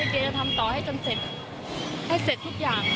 แกจะทำต่อให้จนเสร็จให้เสร็จทุกอย่าง